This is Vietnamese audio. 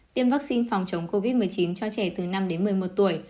tiêm vaccine phòng chống covid một mươi chín cho trẻ từ năm đến một mươi một tuổi